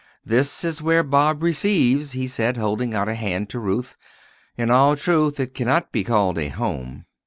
"This is where Bob receives," he said, holding out a hand to Ruth; "in all truth it cannot be called a home."